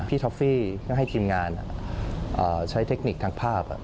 ท็อฟฟี่ก็ให้ทีมงานใช้เทคนิคทางภาพ